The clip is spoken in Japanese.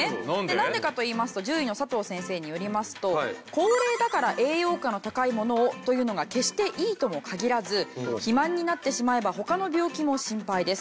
なんでかといいますと獣医の佐藤先生によりますと「高齢だから栄養価の高いものを」というのが決していいとも限らず肥満になってしまえば他の病気も心配です。